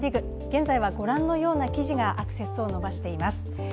現在はご覧のような記事がアクセスを伸ばしています。